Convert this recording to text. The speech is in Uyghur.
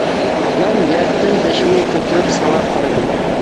مەن يەردىن بېشىمنى كۆتۈرۈپ ساڭا قارىدىم.